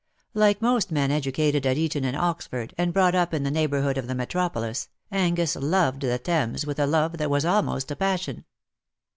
Like most men educated at Eton and Oxford, and brought up in the neighbourhood of the metropolis, Angus loved the Thames with a love that was almost a passion.